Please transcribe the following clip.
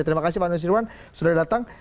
terima kasih pak nusirwan sudah datang